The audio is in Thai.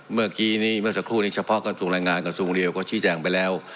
เมื่อกี้นี้เมื่อสักครู่นี้เฉพาะกระทรวงแรงงานกระทรวงเรียวก็ชี้แจงไปแล้ว